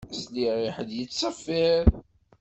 Sliɣ i ḥedd yettṣeffiṛ